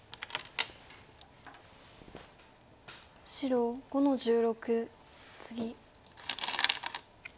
白５の十六ツギ。